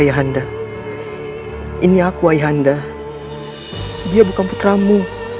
ayah anda ini aku ayah anda dia bukan putramu